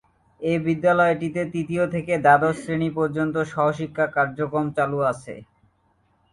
এ বিদ্যালয়টিতে তৃতীয় থেকে দ্বাদশ শ্রেনি পর্যন্ত সহশিক্ষা কার্যক্রম চালু আছে।